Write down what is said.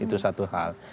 itu satu hal